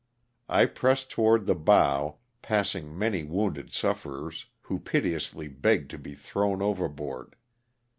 I pressed toward the bow, passing many wounded sufferers, who piteously begged to be thrown overboard.